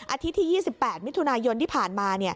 อาทิตย์ที่๒๘มิถุนายนที่ผ่านมา